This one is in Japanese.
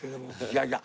いやいや。